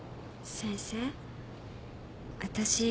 先生